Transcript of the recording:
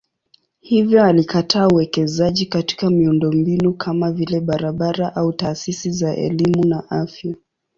Hivyo alikataa uwekezaji katika miundombinu kama vile barabara au taasisi za elimu na afya.